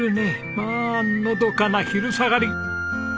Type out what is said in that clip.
まあのどかな昼下がり。